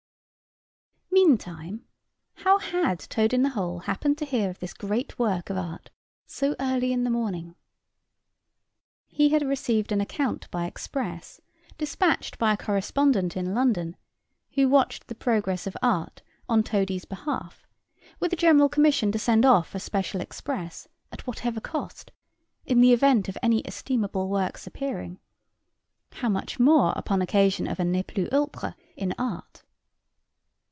Meantime, how had Toad in the hole happened to hear of this great work of art so early in the morning? He had received an account by express, dispatched by a correspondent in London, who watched the progress of art On Toady's behalf, with a general commission to send off a special express, at whatever cost, in the event of any estimable works appearing how much more upon occasion of a ne plus ultra in art!